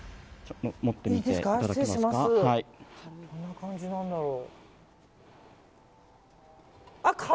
どんな感じなんだろう。